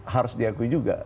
harus diakui juga